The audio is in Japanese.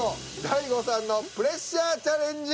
大悟さんのプレッシャーチャレンジ。